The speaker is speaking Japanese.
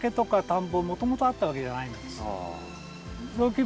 雑木林ももともとあったわけじゃないんです。